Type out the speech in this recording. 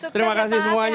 terima kasih semuanya